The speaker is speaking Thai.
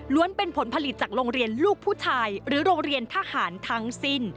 เป็นผลผลิตจากโรงเรียนลูกผู้ชายหรือโรงเรียนทหารทั้งสิ้น